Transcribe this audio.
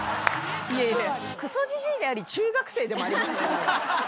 クソじじいであり中学生でもありますね。